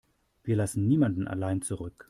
Wir lassen niemanden allein zurück.